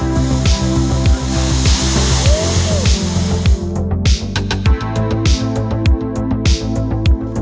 padding itu masih nyaman